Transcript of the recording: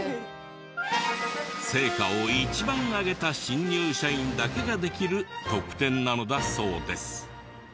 成果を一番上げた新入社員だけができる特典なのだそうです。